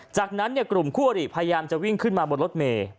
จากนั้นกลุ่มคู่อริพยายามจะวิ่งขึ้นมาบนรถเมย์